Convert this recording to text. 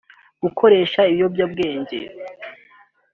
gukoresha ibiyobyabwenge